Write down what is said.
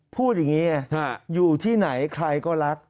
พูดอย่างนี้อยู่ที่ไหนใครก็รัก